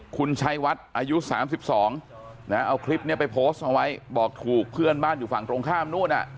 คุณชัยวัดอายุ๓๒เอาคลิปนี้ไปโพสต์เอาไว้บอกถูกเพื่อนบ้านอยู่ฝั่งตรงข้ามนู่น